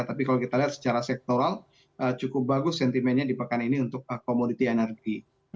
tapi kalau kita lihat secara sektoral cukup bagus sentimennya di pekan ini untuk komoditi energi